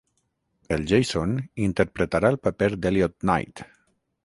El Jason interpretarà el paper d'Elliot Knight.